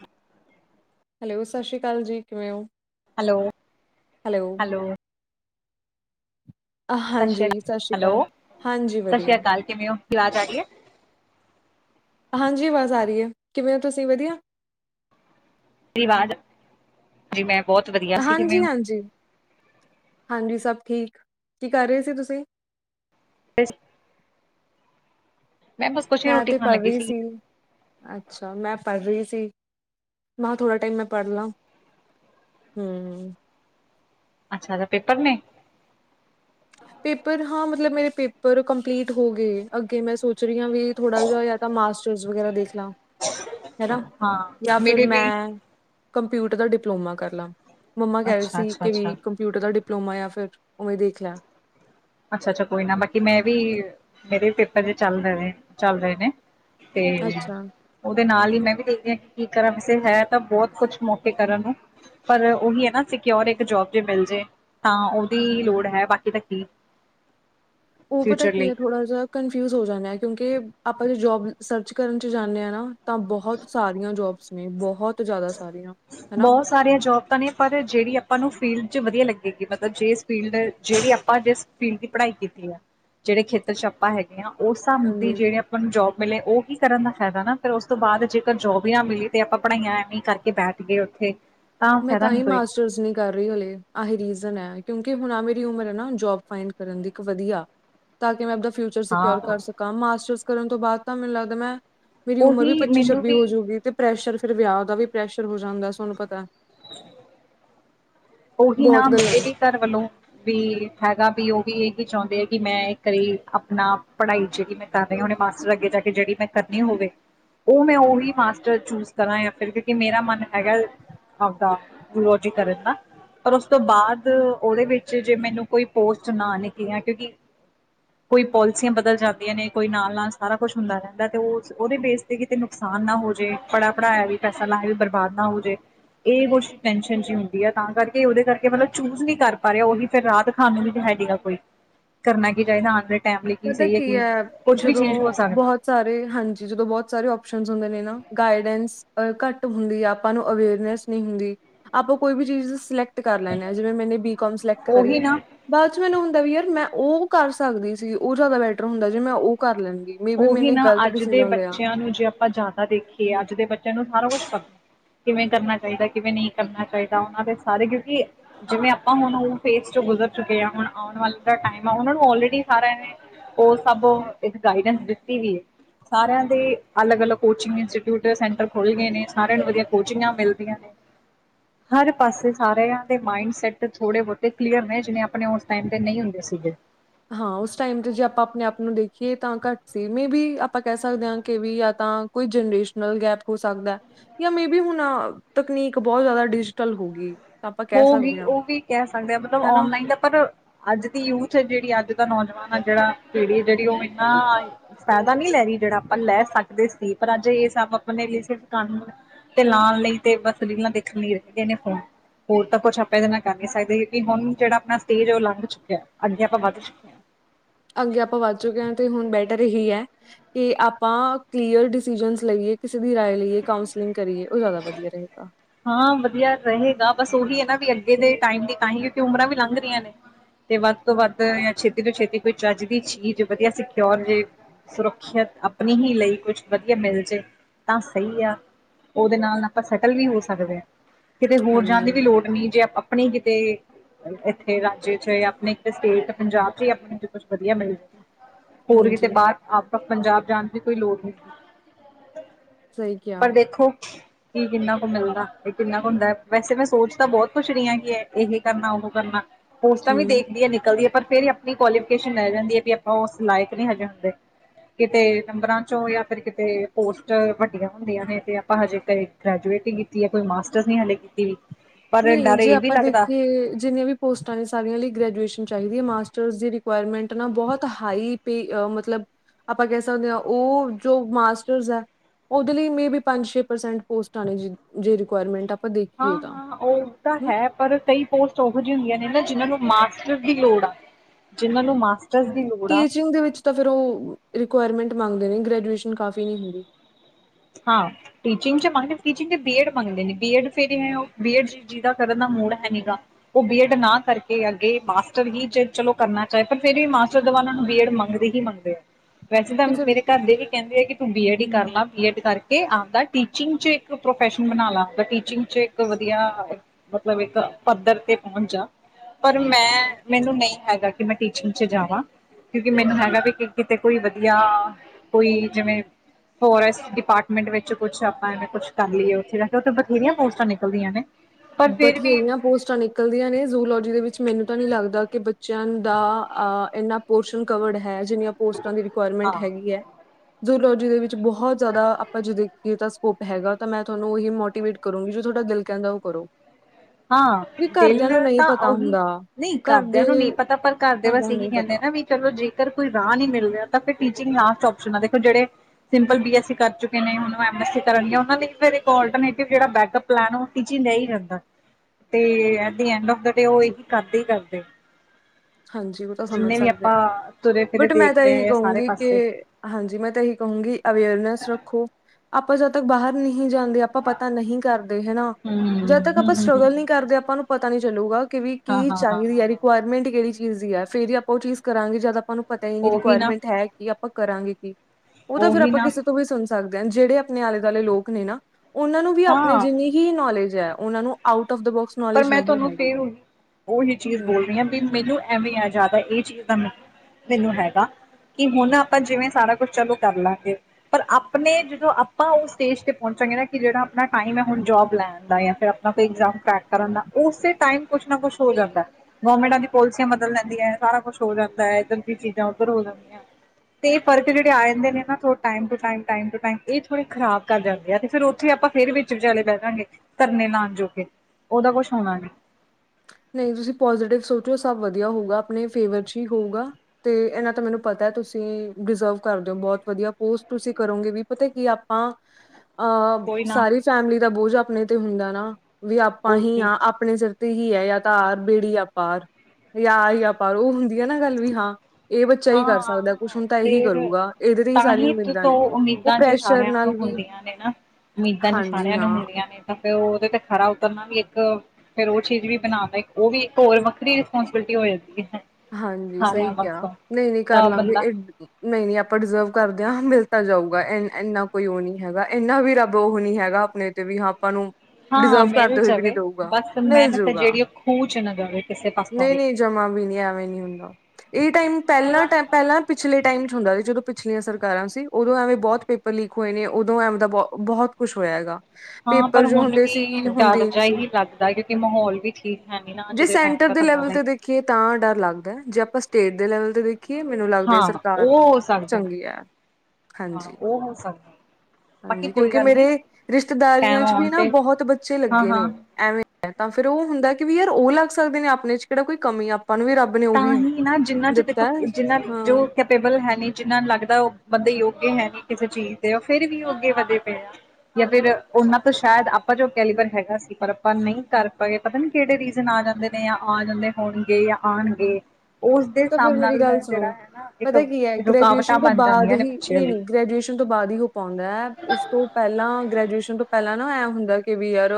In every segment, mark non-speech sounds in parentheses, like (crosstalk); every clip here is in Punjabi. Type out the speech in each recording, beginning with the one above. ਹ (inaudible) ਹੈਲੋ ਸਤਿ ਸ਼੍ਰੀ ਅਕਾਲ ਜੀ ਕਿਵੇਂ ਓ? ਹੈਲੋ-ਹੈਲੋ। ਆ ਸਤਿ ਸ਼੍ਰੀ ਹਾਂਜੀ ਅਕਾਲ ਸਤਿ ਸ਼੍ਰੀ ਹੈਲੋ ਅਕਾਲ ਹਾਂਜੀ ਸਤਿ ਸ਼੍ਰੀ ਵਧੀਆ। ਅਕਾਲ ਕਿਵੇਂ ਓ? ਪਿਆਜ਼ ਆਗੀ ਐ? ਹਾਂਜੀ ਆਵਾਜ਼ ਆ ਰੀ ਐ। ਕਿਵੇਂ ਓ ਤੁਸੀਂ ਵਧੀਆ? ਤਰੀ ਵਾਜ਼ ਜੀ ਮੈਂ ਬੋਤ ਵਧੀਆ ਸੀ ਕਿਵੇਂ ਹਾਂਜੀ, ਹਾਂਜੀ, ਹਾਂਜੀ ਸਭ ਠੀਕ ਕੀ ਕਰ ਰਏ ਸੀ ਤੁਸੀਂ? (unintelligible) ਕੁਛ ਨੀ ਮੈਂ ਰੋਟੀ ਤੇ ਖਾਣ ਪੜ੍ਹ ਲੱਗੀ ਰੀ ਸੀਗੀ ਸੀ। ਅੱਛਾ ਮੈਂ ਪੜ੍ਹ ਰੀ ਸੀ। ਮੈਂ ਹਾ ਥੋੜ੍ਹਾ ਟਾਈਮ ਮੈਂ ਪੜ੍ਹ ਲਾਂ। ਹਮ। ਅੱਛਾ ਤਾਂ ਪੇਪਰ ਨੇ? ਪੇਪਰ ਹਾਂ ਮਤਲਬ ਮੇਰੇ ਪੇਪਰ ਕੰਪਲੀਟ ਹੋ ਗਏ ਅੱਗੇ ਮੈਂ ਸੋਚ ਰੀ ਆ ਥੋੜਾ ਜਿਆ ਤਾਂ ਮਾਸਟਰਸ ਵਗੈਰਾ ਦੇਖ ਲਾਂ। ਹ (inaudible) ਹੈਨਾ ਜਾਂ ਫੇਰ ਮੈਂ ਕੰਪਿਊਟਰ ਦਾ ਡਿਪਲੋਮਾ ਕਰਲਾ। ਮੰਮਾ ਕਹਿ ਰੇ ਅੱਛਾ ਸੀ ਅੱਛਾ ਕਿ ਅੱਛਾ ਵੀ ਕੰਪਿਊਟਰ ਦਾ ਡਿਪਲੋਮਾ ਯਾ ਫਿਰ ਉਵੇਂ ਦੇਖ ਲੈ। ਅੱਛਾ-ਅੱਛਾ ਕੋਈ ਨਾ ਬਾਕੀ ਮੈਂ ਵੀ ਮੇਰੇ ਵੀ ਪੇਪਰ ਹਜ਼ੇ ਚੱਲ ਰੇ ਨੇ -ਚੱਲ ਰੇ ਨੇ। ਫੇਰ ਅੱਛਾ ਉਹਦੇ ਨਾਲ ਹੀ ਮੈਂ ਵੀ ਦੇਖਦੀ ਹਾਂ ਕਿ ਕੀ ਕਰਸੇ ਹੈ ਤਾਂ ਬਹੁਤ ਕੁਛ ਮੌੋਕੇ ਕਰਨ ਨੂੰ। ਪਰ ਉਹੀ ਹੈ ਨਾ ਸਿਓਰ ਇੱਕ ਜੋਬ ਜੇ ਮਿਲ ਜੇਹ ਤਾਂ ਉਹਦੀ ਲੋੜ ਹੈ ਬਾਕੀ ਤਾਂ ਕੀ। ਉਹ ਪਤਾ ਫਿਊਚਰ ਕੀ ਲਈ ਹੈ ਥੋੜਾ ਜਿਹਾ। ਕਨਫਿਊਜ ਹੋ ਜਾਂਦੇ ਆ ਕਿਉਂਕਿ ਆਪਾਂ ਜੇ ਜੋਬ ਸਰਚ ਕਰਨ ਜਾਂਦੇ ਹਾਂ ਨਾ ਤਾਂ ਬਹੁਤ ਸਾਰੀਆਂ ਜੋਬ ਨੇ ਬਹੁਤ ਜ਼ਿਆਦਾ ਸਾਰੀਆਂ ਹਨਾ। ਬਹੁਤ ਸਾਰੀਆਂ ਜੋਬ ਤਾਂ ਨੇ ਪਰ ਜਿਹੜੀ ਆਪਾਂ ਨੂੰ ਫੀਲਡ 'ਚ ਵਧੀਆ ਲੱਗੇਗੀ ਮਤਲਬ ਜਿਸ ਫੀਲਡ ਜਿਹੜੀ ਆਪਾਂ ਜਿਸ ਫੀਲਡ ਦੀ ਪੜਾਈ ਕੀਤੀ ਆ, ਜਿਹੜੇ ਖੇਤਰ ਚ ਆਪਾਂ ਹੈਗੇ ਆ ਉਸ ਹਿਸਾਬ ਦੀ ਹਾਂਜੀ ਜਿਹੜੇ ਆਪਾਂ ਨੂੰ ਜੋਬ ਮਿਲੇ ਉਹੀ ਕਰਨ ਦਾ ਫਾਇਦਾ ਨਾ ਫੇਰ ਉਸ ਤੋਂ ਬਾਅਦ ਜੇਕਰ ਜੋਬ ਹੀ ਨਾ ਮਿਲੀ ਤਾਂ ਆਪਾਂ ਪੜਾਈਆਂ ਆ। ਨੀ ਕਰਕੇ ਬੈਠ ਗਏ ਉੱਥੇ। ਮੈਂ ਫਾਇਦਾ ਤਾਂ ਨਹੀਂ ਹੀ ਕੋਈ ਮਾਸਟਰਸ ਨੀ ਕਰ ਰਹੀ ਹਲੇ, ਆਹੀ ਰੀਜ਼ਨ ਹੈ ਕਿਉਂਕਿ ਹੁਣ ਮੇਰੀ ਉਮਰ ਹੈ ਨਾ ਜੋਬ ਫਾਈਡ ਕਰਨ ਦੀ ਇੱਕ ਵਧੀਆ। ਤਾਂ ਕਿ ਮੈਂ ਆਪਦਾ ਫਿਊਚਰ ਸਿਓਰ ਹਾਂ ਕਰ ਸਕਾਂ, ਮਾਸਟਰਸ ਕਰਨ ਤੋਂ ਬਾਅਦ ਤਾਂ ਮੈਨੂੰ ਲੱਗਦਾ ਮੈਂ ਮੇਰੀ ਉਮਰ ਵੀ ਉਹੀ ਪੱਚੀ- ਮੈਨੂੰ ਛੱਬੀ ਵੀ ਹੋਜੂਗੀ, ਤੇ ਪ੍ਰੈਸ਼ਰ ਫੇਰ ਵਿਆਹ ਦਾ ਵੀ ਪ੍ਰੈਸ਼ਰ ਹੋ ਜਾਂਦਾ ਤੁਹਾਨੂੰ ਪਤਾ ਏ। ਉਹੀ ਨਾ ਬਹੁਤ ਗੱਲਾਂ ਨੇ ਇਹਦੇ ਘਰ ਵੱਲੋਂ। ਤੇ ਹੈਗਾ ਵੀ ਉਹ ਵੀ ਇਹੀ ਚਾਹੁੰਦੇ ਆ ਕਿ ਮੈਂ ਘਰੇ ਆਪਣਾ ਪੜਾਈ ਜਿਹੜੀ ਮੈਂ ਤਾਂਵੇ ਹੁਣੇ ਮਾਸਟਰ ਅੱਗੇ ਜਾ ਕੇ ਜਿਹੜੀ ਮੈਂ ਕਰਨੀ ਹੋਵੇ। ਉਹ ਮੈਂ ਉਹੀ ਮਾਸਟਰ ਚੂਜ ਕਰਾਂ ਫੇਰ ਕਿਉਂਕਿ ਮੇਰਾ ਮਨ ਹੈਗਾ। ਆਪਦਾ ਦੋ ਜੀ ਕਰੇ ਨਾ। ਪਰ ਉਸ ਤੋਂ ਬਾਅਦ ਉਹਦੇ ਵਿੱਚ ਜੇ ਮੈਨੂੰ ਕੋਈ ਪੋਸਟ ਨਾ ਨਿਕਲਿਆ ਕਿਉਂਕਿ ਕੋਈ ਪੋਲਸੀਆਂ ਬਦਲ ਜਾਂਦੀਆਂ ਨੇ ਕੋਈ ਨਾਲ- ਨਾਲ ਸਾਰਾ ਕੁਛ ਹੁੰਦਾ ਰਹਿੰਦਾ ਤੇ ਉਹਦੇ ਬੇਸ ਤੇ ਕਿਤੇ। ਨੁਕਸਾਨ ਨਾ ਹੋ ਜੇ ਪੜਾ- ਪੜਾਇਆ ਵੀ ਪੈਸਾ ਲਾਇਆ ਵੀ ਬਰਬਾਦ ਨਾ ਹੋ ਜੇ। ਇਹ ਕੁਛ ਟੈਨਸ਼ਨ ਜੀ ਹੁੰਦੀ ਆ। ਤਾਂ ਕਰਕੇ ਉਹਦੇ ਕਰਕੇ ਮਤਲਬ ਚੂਜ ਨੀ ਕਰ ਪਾ ਰਿਹਾ ਉਹੀ ਫੇਰ ਰਾਤ ਖਾਣ ਨੂੰ ਵੀ ਤਾਂ ਹੈਗੀ ਗ ਕੋਈ। ਕਰਨਾ ਕੀ ਚਾਹੀਦਾ ਆਉਣ ਦੇ ਟਾਈਮ ਲਈ ਕੀ ਪਤਾ ਸਹੀ ਹੈ ਕੀ ਕੁਛ ਵੀ ਚੇਂਜ ਜਦੋਂ ਹੋ ਸਕਦਾ। ਬਹੁਤ ਸਾਰੇ ਹਾਂਜੀ ਜਦੋਂ ਬਹੁਤ ਸਾਰੇ ਓਪਸ਼ਨ ਹੁੰਦੇ ਨੇ ਨਾ ਗਾਈਡੈਂਸ ਅ ਘੱਟ ਹੁੰਦੀ ਆਪਾਂ ਨੂੰ ਅਵੇਅਰਨੈਸ ਨਹੀਂ ਹੁੰਦੀ ਆਪਾਂ ਕੋਈ ਵੀ ਚੀਜ਼ ਸਿਲੈਕਟ ਕਰ ਲੈਂਦੇ ਹ ਜਿਵੇਂ ਮੈਨੇ ਬੀ ਕੋਮ ਸਿਲੈਕਟ ਕਰੀ। ਉਹੀ ਨਾ ਬਾਅਦ ਚ ਮੈਨੂੰ ਹੁੰਦਾ ਵੀ ਯਾਰ ਮੈਂ ਉਹ ਕਰ ਸਕਦੀ ਸੀਗੀ ਉਹ ਜ਼ਿਆਦਾ ਬੈਟਰ ਹੁੰਦਾ ਜੇ ਮੈਂ ਉਹ ਕਰ ਲੈਂਦੀ। ਮੇ ਬੀ ਉਹੀ ਮੈਨੇ ਨਾ ਗ਼ਲਤ ਅੱਜ ਦੇ ਡਿਸੀਜ਼ਨ ਲਿਆ। ਬੱਚਿਆਂ ਨੂੰ ਜੇ ਆਪਾਂ ਜ਼ਿਆਦਾ ਦੇਖੀਏ ਅੱਜ ਦੇ ਬੱਚਿਆਂ ਨੂੰ ਸਾਰਾ ਕੁਛ ਸਭ ਕਿਵੇਂ ਕਰਨਾ ਚਾਹੀਦਾ, ਕਿਵੇਂ ਨਹੀਂ ਕਰਨਾ ਚਾਹੀਦਾ ਉਹਨਾਂ ਦੇ ਸਾਰੇ ਕਿਉਂਕਿ ਜਿਵੇਂ ਆਪਾਂ ਹੁਣ ਉਹ ਫੇਸ ਚ ਗੁਜ਼ਰ ਚੁਕੇ ਆ ਹੁਣ ਆਉਣ ਵਾਲੇ ਦਾ ਟਾਈਮ ਆ ਉਹਨਾਂ ਨੂੰ ਆਲਰੇਡੀ ਸਾਰਾ ਉਹ ਸਭ ਇਹ ਗਾਈਡੈਂਸ ਦਿੱਤੀ ਵੀ ਹੈ। ਸਾਰਿਆਂ ਦੇ ਅਲੱਗ- ਅਲੱਗ ਕੋਚਿੰਗ, ਇੰਸਟੀਟਿਊਟ ਸੈਂਟਰ ਖੁਲ ਗਏ ਨੇ ਸਾਰਿਆਂ ਨੂੰ ਵਧੀਆ ਕੋਚਿੰਗਾਂ ਮਿਲਦੀਆਂ। (unintelligible) ਹਰ ਪਾਸੇ ਸਾਰਿਆਂ ਦੇ ਮਾਇੰਡ ਸੈੱਟ ਥੋੜੇ ਬਹੁਤੇ ਕਲੀਅਰ ਨੇ ਜਿਹਨੇ ਆਪਣੇ ਉਸ ਟਾਈਮ 'ਤੇ ਨਹੀਂ ਹੁੰਦੇ ਸੀ। ਹਾਂ ਉਸ ਟਾਈਮ ਤੇ ਜੇ ਆਪਾਂ ਆਪਣੇ ਆਪ ਨੂੰ ਦੇਖੀਏ ਤਾਂ ਘੱਟ ਸੀ ਮੇ ਬੀ ਆਪਾਂ ਕਹਿ ਸਕਦੇ ਹਾਂ ਕਿ ਵੀ ਜਾਂ ਤਾਂ ਕੋਈ ਜਨਰੇਸ਼ਨਲ ਗੈਪ ਹੋ ਸਕਦਾ। ਜਾਂ ਮੇਬੀ ਹੁਣ ਤਕਨੀਕ ਬਹੁਤ ਜ਼ਿਆਦਾ ਡਿਜੀਟਲ ਹੋ ਗਈ। ਤਾਂ ਆਪਾਂ ਕਹਿ ਹੋ ਗਈ ਸਕਦੇ ਹਾਂ, ਉਹ ਵੀ ਕਹਿ ਸਕਦੇ ਆ ਮਤਲਬ ਹਨਾ। ਔਨਲਾਈਨ ਆਪਾ ਦਾ ਅੱਜ ਦੀ ਯੂਥ ਹੈ ਜਿਹੜੀ ਅੱਜ ਦਾ ਨੌਜਵਾਨ ਆ ਜਿਹੜਾ ਪੀੜੀ ਹੈ ਜਿਹੜੀ ਉਹ ਇੰਨਾ ਫਾਇਦਾ ਨਹੀਂ ਲੈ ਰਹੀ ਜਿਹੜਾ ਆਪਾਂ ਲੈ ਸਕਦੇ ਸੀ ਪਰ ਅੱਜ ਇਹ ਸਭ ਆਪਣੇ ਲਈ ਸਿਰਫ ਕਾਨੂੰ ਤੇ ਲਾਉਣ ਲਈ ਤੇ ਬਸ ਰੀਲਾਂ ਦੇਖਣ ਲਈ ਰਹਿ ਗਏ ਨੇ ਫੋਨ। ਹੋਰ ਤਾਂ ਕੁੱਛ ਆਪਾਂ ਇਹਦੇ ਨਾਲ ਕਰੀ ਸਕਦੇ ਕਿਉਂਕਿ ਹੁਣ ਜਿਹੜਾ ਆਪਣਾ ਸਟੇਜ ਉਹ ਲੰਘ ਚੁੱਕਿਆ ਅਗੇ ਆਪਾਂ ਵਧ ਚੁੱਕਿਆ। ਅੱਗੇ ਆਪਾਂ ਵੱਧ ਚੁੱਕੇ ਹਾਂ ਤੇ ਹੁਣ ਬੈਟਰ ਇਹੀ ਹੈ। ਕਿ ਆਪਾਂ ਕਲੀਅਰ ਡਿਸੀਜਨ ਲਈਏ ਕਿਸੇ ਦੀ ਰਾਏ ਲਈਏ ਕਾਂਸਲਿੰਗ ਕਰੀਏ ਉਹ ਜ਼ਿਆਦਾ ਵਧੀਆ ਰਹੇਗਾ। ਹਾਂ ਵਧੀਆ ਰਹੇਗਾ ਬਸ ਉਹੀ ਐ ਨਾ ਵੀ ਅੱਗੇ ਦੇ ਟਾਈਮ ਦੀ ਕਹੀਂ ਕਿਉਂਕਿ ਉਮਰਾਂ ਵੀ ਲੰਘ ਰਹੀਆਂ ਨੇ। ਤੇ ਵੱਧ ਤੋਂ ਵੱਧ ਛੇਤੀ ਤੋਂ ਛੇਤੀ ਕੋਈ ਚੱਜ ਦੀ ਚੀਜ਼ ਵਧੀਆ ਸਕਿਓਰ ਜੇ। ਸੁਰੱਖਿਅਤ ਆਪਣੀ ਹੀ ਲਈ ਕੁਛ ਵਧੀਆ ਮਿਲ ਜੇ ਤਾਂ ਸਹੀ ਆ। ਉਹਦੇ ਨਾਲ ਆਪਾਂ ਸੈਟਲ ਵੀ ਹੋ ਸਕਦੇ ਆ, ਕਿਤੇ ਹੋਰ ਜਾਣ ਦੀ ਹਾਂਜੀ ਵੀ ਲੋੜ ਨੀ ਜੇ ਆਪਾਂ ਆਪਣੇ ਕਿਤੇ ਏਥੇ ਰਾਜੇ ਚ ਆਪਣੇ ਇੱਕ ਸਟੇਟ ਪੰਜਾਬ ਚੀ ਜਾ ਆਪਣੇ ਚ ਕੁਛ ਵਧੀਆ ਮਿਲ ਜਾ ਹੋਰ ਕਿਤੇ ਹਾਂਜੀ ਬਾਰ ਆਪ ਪੰਜਾਬ ਜਾਣ ਦੀ ਕੋਈ ਲੋੜ ਨੀ। ਸਹੀ ਕਿਹਾ ਪਰ ਦੇਖੋ, ਕੀ ਕਿੰਨਾ ਕੁ ਮਿਲਦਾ। ਏਹ ਕਿੰਨਾ ਹੁੰਦਾ ਵੈਸੇ ਮੈਂ ਸੋਚ ਤਾਂ ਬੌਤ ਕੁੱਛ ਰੀ ਆਂ ਕਿ ਏ ਏਹ ਕਰਨਾ ਉਹ ਕਰਨਾ ਪੋਸਟਾਂ ਵੀ ਹਮ ਦੇਖਦੀ ਐ ਨਿਕਲਦੀ ਐ ਪਰ ਫੇਰ ਈ ਅਪ ਆਪਣੀ ਕੋਲੀਫਿਕੇਸ਼ਣ ਰੈ ਜਾਂਦੀ ਐ ਬਈ ਅਪਾਂ ਓਸ ਲਾਇਕ ਨੀ ਹਜੇ ਹੁੰਦੇ। ਕਿਤੇ ਨੰਬਰਾਂ ਚੋਂ ਜਾ ਫਿਰ ਕਿਤੇ ਪੋਸਟ ਵੱਡੀਆਂ ਹੁੰਦੀਆਂ ਨੇ ਤੇ ਆਪਾਂ ਹਜੇ ਘਰੇ ਗ੍ਰੈਜੂਏਟ ਈ ਕੀ ਕੀਤੀ ਐ ਕੋਈ ਮਾਸਟਰਸ ਨੀ ਹਲੇ ਕੀਤੀ। ਪਰ ਨਹੀਂ ਡਰ ਜੇ ਇਹ ਵੀ ਆਪਾਂ ਲੱਗਦਾ ਦੇਖੀਏ, ਜਿੰਨੀਆਂ ਵੀ ਪੋਸਟਾਂ ਨੇ ਸਾਰੀਆਂ ਲਈ ਗ੍ਰੈਜੂਏਸ਼ਨ ਚਾਈਦੀ ਐ, ਮਾਸਟਰਸ ਦੀ ਰਿਕੁਆਇਰਮੈਂਟ ਨਾ ਬਹੁਤ ਹਾਈ ਪੇ ਮਤਲਬ ਆਪਾਂ ਕੈ ਸਕਦੇ ਆਂ ਉਹ ਜੋ ਮਾਸਟਰਸ ਐ। ਓਦੇ ਲਈ ਮੇ ਬੀ ਪੰਜ-ਛੇ ਪ੍ਰਸੈਂਟ ਪੋਸਟਾਂ ਨੇ ਜੇ ਰਿਕਵਾਰਮੈਂਟ ਅਪਾਂ ਦੇਖੀਏ ਤਾਂ। ਔ ਤਾਂ ਹੂੰ, ਹੈ ਪਰ ਕਈ ਪੋਸਟ ਓਹੋ ਜੀ ਹੁੰਦੀਆਂ ਨੇ ਨਾ ਜਿਨਾਂ ਨੂੰ ਮਾਸਕ ਟਰ ਦੀ ਲੋੜ ਆ, ਜਿਨ੍ਹਾਂ ਨੂੰ ਮਾਸਟਰਸ ਦੀ ਲੋੜ ਆ ਟੀਚਿੰਗ ਦੇ ਵਿੱਚ ਤਾਂ ਫਿਰ ਓਹ ਰਿਕੁਆਇਰਮੈਂਟ ਮੰਗਦੇ ਨੇ ਗ੍ਰੈਜੂਏਸ਼ਨ ਕਾਫੀ ਨੀ ਹੁੰਦੀ। ਹਾਂ, ਟੀਚਿੰਗ ਚ ਮਾਈਨਵ ਟੀਚਿੰਗ ਚ ਬੀਏਡ ਮੰਗਦੇ ਨੇ ਬੀਏਡ ਫੇਰੀ ਓਹ ਬੀਏਡ ਜਿਦਾ ਕਰਨ ਦਾ ਮੂਡ ਹੈ ਨੀ ਗਾ। ਓਹ ਬੀਐਡ ਨਾ ਕਰਕੇ ਅੱਗੇ ਮਾਸਟਰ ਹੀ ਦੇ ਚਲੋ ਕਰਨਾ ਚਾਹੇ ਪਰ ਫੇਰ ਵੀ ਮਾਸਟਰ ਤੋਂ ਬਾਦ ਓਨਾਂ ਨੂੰ ਬੀਐਡ ਮੰਗ ਦੇ ਹੀ ਮੰਗਦੇ ਐ, ਵੈਸੇ ਤਾਂ ਤੇ ਫਿਰ ਮੇਰੇ ਘਰ ਦੇ ਵੀ ਕੈੰਦੇ ਐ ਕਿ ਤੂੰ ਬੀਏਡ ਈ ਕਰ ਹੂੰ ਲਾ। ਬੀਐਡ ਕਰਕੇ ਆਵਦਾ ਟੀਚਿੰਗ ਚ ਇੱਕ ਪ੍ਰੋਫੈਸ਼ਨ ਬਣਾ ਲਾ, ਟੀਚਿੰਗ ਚ ਇਕ ਵਧੀਆ ਮਤਲਬ ਇੱਕ ਪੱਧਰ ਤੇ ਪੋੰਚ ਜਾ। ਪਰ ਮੈਂ ਮੈਨੂੰ ਨਈ ਹੈਗਾ ਕਿ ਮੈਂ ਟੀਚਿੰਗ ਚ ਜਾਵਾਂ। ਕਿਉਂਕਿ ਮੈਨੂੰ ਹੈਗਾ ਵੀ ਕਿ ਕਿਤੇ ਕੋਈ ਵਧੀਆ ਕੋਈ ਜਿਵੇਂ ਫੋਰੈਸ ਡਿਪਾਰਟਮੈਂਟ ਵਿੱਚ ਕੁੱਛ ਆਪਾਂ ਐਵੇਂ ਕੁਛ ਕਰ ਲਈਏ, ਉੱਥੇ ਜਾ ਕੇ ਉੱਥੇ ਬਥੇਰੀਆਂ ਪੋਸਟਾਂ ਨਿਕਲਦੀਆਂ ਨੇ। ਪਰ ਫਿਰ ਵੀ ਬਥੇਰੀਆਂ ਪੋਸਟਾਂ ਨੇ ਨਿਕਲਦੀਆਂ ਨੇ ਜ਼ੂਲੋਜੀ ਦੇ ਵਿੱਚ ਮੈਨੂੰ ਤਾਂ ਨੀ ਲੱਗਦਾ ਕਿ ਬੱਚਿਆਂ ਦਾ ਅ ਏਨਾ ਪੋਰਸ਼ਨ ਕਵਰਡ ਹੈ। ਜਿਨੀਆਂ ਪੋਸਟਾਂ ਦੀ ਹਾਂ ਰਿਕੁਆਰਮੈਂਟ ਹੈਗੀ ਐਂ, ਜੂਲੋਜੀ ਦੇ ਬਹੋਤ ਜੈਦਾ ਅਪਾ ਜੋ ਦੇਖੀਏ ਤਾਂ ਸਕੋਪ ਹੈਗਾ ਤਾਂ ਮੈਂ ਤੁਹਾਨੂੰ ਓਹੀ ਮੋਟੀਵੇਟ ਕਰੂੰਗੀ ਜੋ ਤੁਹਾਡਾ ਦਿਲ ਕਹਿੰਦਾ ਓਹ ਕਰੋ। ਹਾਂ, ਵੀ ਘਰਦਿਆਂ ਦਿਲ ਨੂੰ ਨਹੀਂ ਤਾਂ ਪਤਾ ਓਹੀ ਆ, ਹੁੰਦਾ। ਨਹੀਂ ਘਰ ਘਰਦਿਆਂ ਦੇ ਨੂੰ ਨੀ ਪਤਾ ਪਰ ਘਰਦੇ ਬਸ ਘਰਦਿਆਂ ਨੂੰ ਇਹੀ ਨਹੀਂ ਕੈੰਦੇ ਪਤਾ ਨਾ ਵੀ ਚਲੋ ਜੇਕਰ ਕੋਈ ਰਾਹ ਨੀ ਮਿਲ ਰਿਆ ਤਾਂ ਫਿਰ ਟੀਚਿੰਗ ਲਾਸਟ ਔਪਸ਼ਨ ਆ ਵੇਖੋ ਜੇੜੇ ਸਿੰਪਲ ਬੀ ਐੱਸ ਸੀ ਕਰ ਚੁੱਕੇ ਨੇ ਹੁਣ ਔ ਐਮ ਐੱਸ ਸੀ ਕਰਨਗੇ, ਓਨਾਂ ਲਈ ਫਿਰ ਇੱਕ ਆਲਟਰਨੇਟਿਵ ਜੇੜਾ ਬੈਕਅਪ ਪਲੈਨ ਔ ਟੀਚਿੰਗ ਦਾ ਹੀ ਰੈੰਦੈ। ਤੇ at the end of the day ਓਹ ਏਹੀ ਘੱਟ ਹੀ ਕਰਦੇ। ਹਾਂਜੀ ਉਹ ਤਾਂ ਸਮਝ ਜਿੰਨੇ ਵੀ ਸਕਦੇ ਆ, ਆਪਾਂ ਤੁਰੇ ਫਿਰੇ ਬਟ ਮੈਂ ਦੇਖ ਤਾਂ ਏਹੀ ਰਹੇ ਆ ਸਾਰੇ ਕਹੂੰਗੀ ਪਾਸੇ ਕੇ ਹਾਂਜੀ ਮੈਂ ਤਾਂ ਏਹੀ ਕਹੂੰਗੀ ਅਵੇਅਰਨੈਸ ਰੱਖੋ ਆਪਾਂ ਜਦ ਤੱਕ ਬਾਹਰ ਨਹੀਂ ਜਾਂਦੇ ਆਪਾਂ ਪਤਾ ਨਹੀਂ ਕਰਦੇ ਹਨਾ, ਹੂੰ ਜਦ ਤੱਕ ਹੂੰ ਆਪਾਂ ਹੂੰ ਹੂੰ ਸਟਰਗਲ ਨੀ ਕਰਦੇ ਆਪਾਂ ਨੂੰ ਪਤਾ ਨੀ ਚੱਲੂਗਾ। ਕਿ ਵੀ ਹਾਂ ਕੀ ਹਾਂ ਚਾਲ ਹਾਂ ਰੀ ਹਾਂ ਐ, ਹਾਂ ਰਿਕੁਆਇਰਮੈਂਟ ਕੇੜੀ ਚੀਜ਼ ਦੀ ਐ? ਫੇਰ ਈ ਆਪਾਂ ਓਹ ਚੀਜ਼ ਕਰਾਂਗੇ ਜਦ ਅਪਾਂ ਨੂੰ ਪਤਾ ਈ ਨੀ ਉਹੀ ਨਾ ਰਿਕੁਆਇਰਮੈਂਟ ਹੈ ਕੀ ਆਪਾਂ ਕਰਾਂਗੇ ਕੀ, ਓਹ ਤਾਂ ਫ਼ਿਰ ਉਹੀ ਆਪਾਂ ਨਾ ਕਿਸੇ ਤੋ ਵੀ ਸੁਣ ਸਕਦੇ ਆਂ ਜੇੜੇ ਅਪਣੇ ਆਲੇ-ਦੁਆਲੇ ਲੋਕ ਨੇ ਨਾ, ਓਨਾਂ ਨੂੰ ਵੀ ਆਪਣੇ ਹਾਂ ਜਿੰਨੀ ਹੀ ਨੌਲੇਜ ਐ ਓਨਾਂ ਨੂੰ ਆਊਟ ਔਫ ਦਾ ਬੋਕਸ ਪਰ ਨੌਲੇਜ ਮੈਂ ਨਹੀਂ ਤੁਆਨੂੰ ਹੈਗੀ ਫੇਰ, ਓਹੀ ਚੀਜ਼ ਬੋਲ ਹਮ। ਰਹੀ ਆਂ ਬੀ ਮੈਨੂੰ ਐਵੇਂ ਐ ਜੈਦਾ ਏਹ ਚੀਜ਼ ਦਾ ਮ ਮੈਨੂੰ ਹੈਗਾ, ਕਿ ਹੁਣ ਆਪਾਂ ਜਿਵੇਂ ਸਾਰਾ ਕੁਛ ਚਲੋ ਕਰ ਲਾਂਗੇ। ਪਰ ਆਪਣੇ ਜਦੋਂ ਆਪਾਂ ਉਹ ਸਟੇਜ ਤੇ ਪੋੰਚਾਂਗੇ ਨਾ ਕਿ ਜੇੜਾ ਅਪਣਾ ਟਾਈਮ ਹੈ ਹੁਣ ਜੋਬ ਲੈਣ ਦਾ ਯਾ ਫਿਰ ਨਾ ਫਿਰ ਇਗਜਾਮ ਕਰੈਕ ਕਰਨ ਦਾ ਓਸੇ ਟਾਈਮ ਕੁਛ ਨਾ ਕੁਛ ਹੋ ਜਾਂਦਾ। ਗਵਰਮੈਂਟਾਂ ਦੀ ਪੋਲਸੀਆਂ ਬਦਲ ਲੈਂਦੀਆ ਸਾਰਾ ਕੁਛ ਹੋ ਜਾਂਦਾ ਐ ਏਧਰ ਦੀ ਚੀਜ਼ਾਂ ਉੱਧਰ ਹੋ ਜਾਂਦੀਆਂ। ਤੇ ਫਰਕ ਜਿਹੜੇ ਆ ਜਾਂਦੇ ਨੇ ਨਾ ਥੋੜਾ time to time, time to time ਏ ਥੋੜ੍ਹੇ ਖਰਾਬ- ਕਰ ਜਾਂਦੇ ਆ ਤੇ ਫਿਰ ਉੱਥੇ ਆਪਾਂ ਫਿਰ ਵਿਚ-ਵਿਚਾਲੇ ਬਹਿ ਜਾਗੇ ਧਰਨੇ ਲਾਣ ਜੋਗੇ, ਓਦਾ ਕੁਛ ਹੋਣਾ ਨੀ। ਨਹੀਂ ਤੁਸੀਂ ਪੋਜੀਟਿਵ ਸੋਚੋ ਸਭ ਵਧੀਆ ਹੋਊਗਾ, ਅਪਣੇ ਫੇਵਰ 'ਚ ਹੀ ਹੋਊਗਾ। ਤੇ ਏਨਾਂ ਤਾਂ ਮੈਨੂੰ ਪਤਾ ਹੈ ਤੁਸੀਂ ਡਿਜ਼ਰਵ ਕਰਦੇ ਓ ਬਹੁਤ ਵਧੀਆ ਪੋਸਟ ਤੁਸੀਂ ਕਰੋਗੇ ਵੀ ਪਤਾ ਕੀ ਆਪਾਂ (inaudible) ਅਹ, ਕੋਈ ਨਾ ਸਾਰੀ ਫੈਮਿਲੀ ਦਾ ਬੋਝ ਆਪਣੇ ਤੇ ਹੁੰਦਾ ਨਾ ਵੀ ਆਪਾਂ ਉਹ ਹੀ ਕੀ ਹਾਂ ਆਪਣੇ ਸਿਰ ਤੇ ਹੀ ਹੈ ਜਾਂ ਤਾਂ ਆਰ ਬੇੜੀ ਯਾ ਪਾਰ, ਯਾ ਆਰ ਯਾ ਪਾਰ ਉਹ ਹੁੰਦੀ ਹੈ ਨਾ ਗੱਲ ਵੀ ਹਾਂ ਇਹ ਬੱਚਾ ਹੀ ਕਰ ਹਾਂ ਸਕਦਾ ਕੁਛ ਹੁਣ ਤਾਂ ਇਹੀ ਫੇਰ ਕਰੂਗਾ ਇਹਦੇ ਤੇ ਹੀ ਸਾਰੀਆਂ ਉਮੀਦਾਂ ਨੇ, ਉਹ ਪ੍ਰੈਸ਼ਰ ਨਾਲ ਵੀ ਹੈ, ਉਮੀਦਾਂ ਨੀ ਹਾਂਜੀ ਸਾਰਿਆਂ ਨੂੰ ਹਾਂ ਹੁੰਦੀਆਂ ਨੇ ਤਾਂ ਫੇਰ ਉਹਦੇ ਤੇ ਖੜਾ ਉਤਰਨਾ ਵੀ ਇੱਕ ਫੇਰ ਉਹ ਚੀਜ਼ ਵੀ ਬਣਾ ਲਈ ਉਹ ਵੀ ਇੱਕ ਹੋਰ ਵੱਖਰੀ ਰਿਸਪੋਂਸੀਬਿਲਿਟੀ ਹੋ ਜਾਂਦੀ ਏ। ਹਾਂਜੀ ਸਹੀ ਕਿਹਾ, ਨਹੀਂ-ਨਹੀਂ ਕਰ ਤਾਂ ਲਾਂਗੇ- ਬੰਦਾ ਨਹੀਂ-ਨਹੀਂ ਆਪਾਂ ਡਿਜ਼ਰਵ ਕਰਦੇ ਹਾਂ ਮਿਲ ਤਾਂ ਜਾਊਗਾ ਇ ਇੰਨਾ ਕੋਈ ਉਹ ਨਹੀਂ ਹੈਗਾ ਇੰਨਾ ਵੀ ਰੱਬ ਉਹ ਨਹੀਂ ਹੈਗਾ। ਆਪਣੇ ਤੇ ਵੀ ਹਾਂ ਆਪਾਂ ਨੂੰ ਹਾਂ ਡਿਜ਼ਰਵ ਮਿਲ ਕਰਦੇ ਹੋਏ ਵੀ ਨੀ ਜਾਵੇ, ਦਊਗਾ ਬਸ ਮਿਲ ਮਿਹਨਤ ਜਿਹੜੀ ਉਹ ਖੂਹ 'ਚ ਨਾ ਜਾਵੇ। ਕਿਸੇ ਪਾਸੋਂ ਵੀ। ਨਹੀਂ-ਨਹੀਂ ਜਮਾ ਵੀ ਨਹੀਂ ਐਵੇਂ ਨੀ ਹੁੰਦਾ। ਇਹ ਟਾਈਮ ਪਹਿਲਾਂ ਪਹਿਲਾਂ ਪਿਛਲੇ ਟਾਈਮ 'ਚ ਹੁੰਦਾ ਸੀ ਜਦੋਂ ਪਿਛਲੀਆਂ ਸਰਕਾਰਾਂ ਸੀ ਉਦੋਂ ਐਵੇਂ ਬਹੁਤ- ਉਪਰਲੀ ਕੋਈ ਨੀ ਉਦੋਂ ਐਮੇ ਦਾ ਬਹੁਤ ਬਹੁਤ ਕੁਛ ਹੋਇਆ ਗਾ। ਹਾਂ ਪਰ ਹੁਣ ਵੀ ਡਰ ਨੀ ਜਾ ਸੀ ਹੀ ਲੱਗਦਾ ਕਿਉਂਕਿ ਮਾਹੌਲ ਵੀ ਠੀਕ ਹੈ ਨੀ ਨਾ ਅੱਜ ਜੇ ਦੇ ਟੈਮ ਸੈਂਟਰ ਦੇ ਲੈਵਲ ਤੇ ਦੇਖੀਏ ਤਾਂ ਡਰ ਲੱਗਦਾ ਜੇ ਆਪਾਂ ਸਟੇਟ ਦੇ ਲੈਵਲ ਤੇ ਦੇ ਕੀ ਮੈਨੂੰ ਲੱਗਦਾ ਇਹ ਹਾਂ ਸਰਕਾਰ, ਉਹ ਹੋ ਸਕਦਾ ਚੰਗੀ ਐ। ਹਾਂ ਹਾਂਜੀ ਉਹ ਹੋ ਸਕਦਾ ਬਾਕੀ ਹਾਂਜੀ ਕੋਈ ਕਿਉਂਕਿ ਗੱਲ ਨੀ ਮੇਰੇ, ਟਾਈਮ ਰਿਸ਼ਤੇਦਾਰੀਆਂ ਚ ਵੀ ਆਉਣ ਨਾ ਤੇ ਬਹੁਤ ਬੱਚੇ ਹਾਂ ਲੱਗੇ ਨੇ ਹਾਂ ਐਵੇਂ ਐ ਤਾਂ ਫੇਰ ਉਹ ਹੁੰਦਾ ਕਿ ਵੀ ਯਾਰ ਉਹ ਲੱਗ ਸਕਦੇ ਨੇ ਆਪਣੇ ਚ ਕਿਹੜਾ ਕੋਈ ਕਮੀ ਆਪਾਂ ਨੂੰ ਵੀ ਰੱਬ ਨੇ ਤਾਂ ਉਹੀ ਹੀ ਨਾ ਜਿੰਨਾ 'ਚ ਦਿੱਤਾ ਦੇਖੋ ਹੈ। ਜਿੰਨਾ ਹਾਂ ਜੋ ਏਬਲ ਹੈ ਨੀ ਜਿਹਨਾ ਨੂੰ ਲੱਗਦਾ ਉਹ ਬੰਦੇ ਯੋਗੇ ਹੈ ਨਹੀਂ ਕਿਸੇ ਚੀਜ਼ ਦੇ ਉਹ ਫੇਰ ਵੀ ਉਹ ਅੱਗੇ ਵਧੇ ਪਏ ਆ। ਜਾਂ ਫਿਰ ਉਹਨਾਂ ਤੋਂ ਸ਼ਾਇਦ ਆਪਾਂ ਜੋ ਕੈਲੀਵਰ ਹੈਗਾ ਸੀ ਪਰ ਆਪਾਂ ਨਹੀਂ ਕਰ ਪਾਏ। ਪਤਾ ਨੀ ਕਿਹੜੇ ਰੀਜ਼ਨ ਆ ਜਾਂਦੇ ਨੇ ਜਾਂ ਆ ਜਾਂਦੇ ਹੋਣਗੇ ਜਾਂ ਆਣਗੇ। ਉਸਦੇ ਉਹ ਤਾਂ ਹਿਸਾਬ ਫਿਰ ਮੇਰੀ ਨਾਲ ਗੱਲ ਜਿਹੜਾ ਸੁਣੋ, ਹੈ ਨਾ ਇੱਕ ਪਤਾ ਕੀ ਹੈ ਰੁਕਾਵਟਾਂ ਗ੍ਰੈਜੂਏਸ਼ਨ ਤੋਂ ਬਣ ਬਾਅਦ ਜਾਂਦੀਆਂ ਨੇ ਹੀ ਬੱਚਿਆਂ ਲਈ ਨਹੀਂ-ਨਹੀਂ ਗ੍ਰੈਜੂਏਸ਼ਨ ਤੋਂ ਬਾਅਦ ਹੀ ਉਹ ਪਾਉਂਦਾ ਹੈ ਉਸ ਤੋਂ ਪਹਿਲਾਂ ਗ੍ਰੈਜੂਏਸ਼ਨ ਤੋਂ ਪਹਿਲਾਂ ਨਾ ਐ ਹੁੰਦਾ ਕਿ ਵੀ ਯਾਰ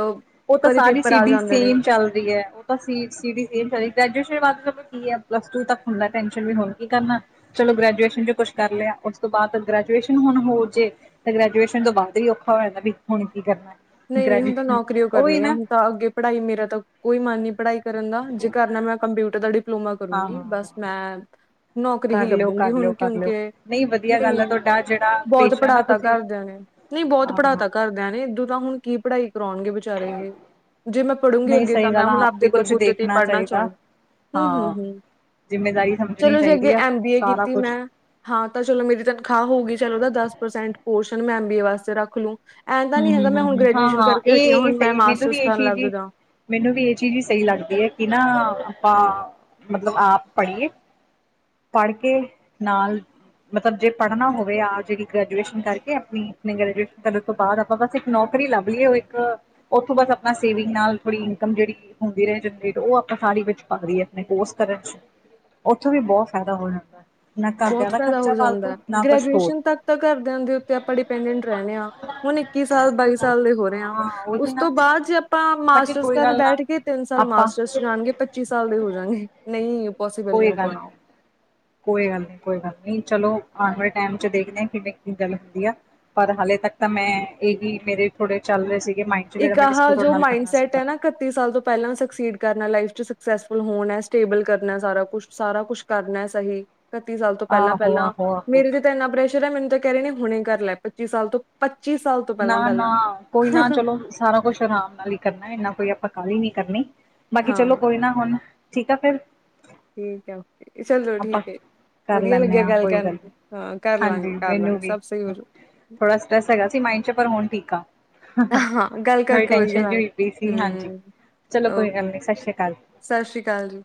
ਉਹ ਤਾਂ ਕਦੇ ਸਾਰੀ ਪੇਪਰ ਆ ਸਿਡੀ ਜਾਂਦੇ ਨੇ ਸੇਮ ਚੱਲਦੀ ਐ। ਉਹ ਤਾਂ ਸੀ ਸੀਡੀ ਸੇਮ ਚਲਦੀ ਗ੍ਰੈਜੂਏਸ਼ਨ ਵਾਸਤੇ ਪਤਾ ਕੀ ਆ ਪਲੱਸ ਟੂ ਤੱਕ ਹੁੰਦਾ ਟੈਂਸ਼ਨ ਵੀ ਹੁਣ ਕੀ ਕਰਨਾ। ਚਲੋ ਗ੍ਰੈਜੂਏਸ਼ਨ 'ਚ ਕੁਛ ਕਰ ਲਿਆ ਉਸ ਤੋਂ ਬਾਅਦ ਗ੍ਰੈਜੂਏਸ਼ਨ ਹੁਣ ਹੋ ਜੇ ਤੇ ਗ੍ਰੈਜੂਏਸ਼ਨ ਤੋਂ ਬਾਅਦ ਵੀ ਔਖਾ ਹੋ ਜਾਂਦਾ ਵੀ ਹੁਣ ਕੀ ਕਰਨਾ। ਨਹੀਂ-ਨਹੀਂ ਹੁਣ ਤਾਂ ਗ੍ਰੈਜੂਏਸ਼ਨ ਨੌਕਰੀਓ ਉਹੀ ਕਰਨੀ ਆ ਨਾ ਹੁਣ ਤਾਂ ਅੱਗੇ ਪੜ੍ਹਾਈ ਮੇਰਾ ਤਾਂ, ਕੋਈ ਮਨ ਨੀ ਪੜ੍ਹਾਈ ਕਰਨ ਦਾ ਜੇ ਕਰਨਾ ਮੈਂ ਕੰਪਿਊਟਰ ਦਾ ਡੀ ਡਿਪਲੋਮਾ ਕਰੂੰਗੀ ਹਾਂ ਬਸ ਮੈਂ ਨੌਕਰੀ ਹੀ ਕਰ ਲਿਓ ਲੱਭੂਗੀ ਕਰ ਲਿਓ ਹੁਣ ਕਰ ਲਿਓ ਕਿਉਂਕਿ, ਨਹੀਂ ਵਧੀਆ ਗੱਲ ਹੈ ਨਹੀਂ-ਨਹੀ, ਤੁਹਾਡਾ ਜਿਹੜਾ ਬਹੁਤ ਪੇਸ਼ਾ ਨਾ ਪੜਾਤਾ ਤੁਸੀਂ ਘਰਦਿਆਂ ਨੇ। ਨਹੀਂ ਬਹੁਤ ਪੜ੍ਹਾ ਹਾਂ ਤਾਂ ਘਰਦਿਆਂ ਨੇ ਏਦੋਂ ਤਾਂ ਹੁਣ ਕੀ ਪੜ੍ਹਾਈ ਕਰਾਉਣਗੇ ਬੇਚਾਰੇ ਇਹ, ਜੇ ਮੈਂ ਪੜੂਗੀ ਨਹੀਂ ਅੱਗੇ ਤਾਂ ਸਹੀ ਮੈਂ ਗੱਲ ਆ ਹੁਣ ਆਪ ਆਪਦੇ ਵੀ ਕੁਛ ਬਲਬੂਤੇ ਤੇ ਹੀ ਦੇਖਣਾ ਪੜ੍ਹਨਾ ਚਾਹੀਦਾ ਚਾਹੁੰਨੀ ਹੂੰ ਹੂੰ ਹਾਂ ਹੂੰ, ਜਿੰਮੇਦਾਰੀ ਸਮਝਣੀ ਚਲੋ ਜੇ ਅੱਗੇ ਚਾਹੀਦੀ ਆ ਐਮ ਬੀ ਏ ਸਾਰਾ ਕੀਤੀ ਕੁਛ ਮੈਂ- ਹਾਂ ਤਾਂ ਚਲੋ ਮੇਰੀ ਤਨਖਾਹ ਹੋ ਗਈ ਚਲ ਉਹਦਾ ਦਸ ਪਰਸੈਂਟ ਪੋਰਸ਼ਨ ਮੈਂ ਐਮ ਬੀ ਏ ਵਾਸਤੇ ਰੱਖ ਲੂੰ। ਐਂ ਦਾ ਹੂੰ ਨੀ ਹੂੰ ਹੈਗਾ ਮੈਂ ਹੂੰ ਹੁਣ ਹੂੰ ਹਾਂ ਗ੍ਰੈਜੂਏਸ਼ਨ ਹਾਂ ਕਰਕੇ ਹਟੀ ਇਹ ਹੁਣ ਮੈਂ ਸਹੀ ਮੈਨੂੰ ਵੀ ਮਾਸਟਰਸ ਇਹ ਕਰਨ ਚੀਜ਼ ਹੀ ਲੱਗਜਾ। ਮੈਨੂੰ ਵੀ ਇਹ ਚੀਜ਼ ਈ ਸਹੀ ਲੱਗਦੀ ਏ ਕਿ ਨਾ ਆਪਾਂ ਮਤਲਬ ਆਪ ਪੜ੍ਹੀਏ ਪੜ ਕੇ ਨਾਲ ਮਤਬ ਜੇ ਪੜ੍ਹਨਾ ਹੋਵੇ ਆ ਜਿਹੜੀ ਗ੍ਰੈਜੂਏਸ਼ਨ ਕਰਕੇ ਆਪਣੀ ਤੋਂ ਬਾਅਦ ਆਪਾ ਬਸ ਇੱਕ ਨੌਕਰੀ ਲੱਭ ਲਿਏ ਓ ਇੱਕ ਉੱਥੋਂ ਬਸ ਆਪਾ ਸੇਵਿੰਗ ਨਾਲ ਥੋੜੀ ਇਨਕਮ ਜਿਹੜੀ ਹੁੰਦੀ ਰਏ ਜਨਰੇਟ ਉਹ ਆਪਾਂ ਸਾਰੀ ਵਿੱਚ ਪਾਦੀਏ ਆਪਣੇ ਕੋੋਰਸ ਕਰਨ ਚ ਉੱਥੋਂ ਵੀ ਬਹੁਤ ਫਾਇਦਾ ਹੋ ਜਾਂਦਾ ਏ। ਬਹੁਤ ਫਾਇਦਾ ਹੋ ਜਾਂਦਾ ਕੁਛ ਹੋਰ ਗ੍ਰੈਜੂਏਸ਼ਨ ਤੱਕ ਤਾਂ ਘਰਦਿਆਂ ਦੇ ਉੱਤੇ ਆਪਾਂ ਡਿਪੈਂਡੈਂਟ ਰਹਿੰਦੇ ਆ ਹੁਣ ਇੱਕੀ ਸਾਲ ਬਾਈ ਸਾਲ ਦੇ ਹੋ ਰਹੇ ਆ ਹਾਂ ਉਹੀ ਉਸ ਨਾ ਤੋਂ ਬਾਅਦ ਜੇ ਆਪਾਂ ਬਾਕੀ ਮਾਸਟਰਸ ਕੋਈ ਕਰਨ ਗੱਲ ਨਾ ਬੈਠ ਗੇ ਤਿੰਨ ਸਾਲ ਆਪਾਂ ਮਾਸਟਰਸ ਜਾਣਗੇ। ਪੱਚੀ ਸਾਲ ਦੇ ਹੋਜਾਂਗੇ ਨਹੀਂ ਪੋਸੀਬਲ ਨਹੀਂ ਕੋਈ ਹੋ ਗੱਲ ਪਾਉਣਾ। ਕੋਈ ਗੱਲ ਨੀ ਕੋਈ ਗੱਲ ਨੀ ਚਲੋ ਆਣ ਵਾਲੇ ਟਾਈਮ ਚ ਦੇਖਦੇ ਕਿਨੇ ਕ ਗੱਲ ਹੁੰਦੀ ਆ। ਪਰ ਹਾਲੇ ਤੱਕ ਤਾਂ ਮੈਂ ਇਹੀ ਮੇਰੇ ਥੋੜੇ ਚੱਲ ਰਹੇ ਸੀਗੇ ਮਾਇੰਡ ਚ ਜਿਹੜਾ ਇੱਕ ਮੈਂ ਆਹ ਡਿਸਕ ਤੁਹਾਡੇ ਜੋ ਨਾਲ ਹੀ ਮਾਇੰਡ ਕਰਨਾ ਸੀ ਸੈਟ ਹੈ ਨਾ ਇਕੱਤੀ ਸਾਲ ਤੋਂ ਪਹਿਲਾਂ ਸਕਸੀਡ ਕਰਨਾ ਲਾਈਫ ਚ ਸਕਸੈਸਫੁਲ ਹੋਣਾ ਸਟੇਬਲ ਕਰਨਾ ਸਾਰਾ ਕੁਛ ਸਾਰਾ ਕੁਛ ਕਰਨਾ ਸਹੀ ਇਕੱਤੀ ਸਾਲ ਤੋਂ ਪਹਿਲਾਂ ਆਹੋ, ਪਹਿਲਾਂ ਆਹੋ, ਆਹੋ ਮੇਰੇ ਜੇ ਤੇ ਇਨਾ ਪ੍ਰੈਸ਼ਰ ਏ। ਮੈਨੂੰ ਤਾਂ ਕਹਿ ਰਹੇ ਨੇ ਹੁਣੇ ਕਰ ਲੈ ਪੱਚੀ ਸਾਲ ਤੋ ਪੱਚੀ ਸਾਲ ਤੋਂ ਪਹਿਲਾਂ ਨਾ-ਨਾ ਪਹਿਲਾਂ ਕੋਈ ਨਾ ਚਲੋ ਸਾਰਾ ਕੁਛ ਆਰਾਮ ਨਾਲ ਈ ਕਰਨਾ ਇੰਨਾ ਕੋਈ ਆਪਾਂ ਕਾਲੀ ਨਹੀ ਕਰਨੀ ਬਾਕੀ ਚਲੋ ਹਾਂ ਕੋਈ ਨਾ ਹੁਣ ਠੀਕ ਆ ਫਿਰ ਠੀਕ ਏ ਚਲੋ ਆਪਾਂ ਠੀਕ ਏ। ਕਰ ਵਧੀਆ ਲੈਂਦੇ ਲੱਗਿਆ ਹਾਂ ਗੱਲ ਕੋਈ ਕਰਨ ਨਹੀਂ ਚ ਹਾਂ ਕਰਲਾ ਹਾਂਜੀ ਗੇ ਕਰਲਾ ਮੈਨੂੰ ਗੇ ਵੀ ਸਭ ਸਹੀ ਹੋ ਜੋ ਥੋੜਾ ਸਟਰੈਸ ਹੈਗਾ ਸੀ ਮਾਈਡ 'ਚ ਪਰ ਹੁਣ ਠੀਕ ਆ। ਹ ਹਾਂ ਗੱਲ ਥੋੜੀ ਕਰਕੇ ਵਧੀਆ ਟੈਂਨਸ਼ਨ ਜੀ ਲੱਗ ਹੋਈ ਪਈ ਸੀ ਹਾਂਜੀ ਹੂੰ ਚਲੋ ਕੋਈ ਓਕੇ ਗੱਲ ਨੀ ਸਤਿ ਸ੍ਰੀ ਅਕਾਲ ਸਤਿ ਸ਼੍ਰੀ ਅਕਾਲ ਜੀ